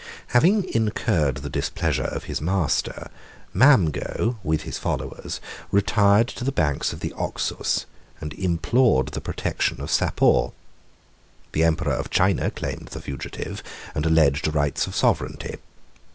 59 Having incurred the displeasure of his master, Mamgo, with his followers, retired to the banks of the Oxus, and implored the protection of Sapor. The emperor of China claimed the fugitive, and alleged the rights of sovereignty.